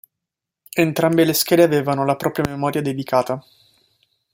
Entrambe le schede avevano la propria memoria dedicata.